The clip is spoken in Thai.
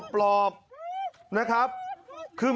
โตมาเรียกลูง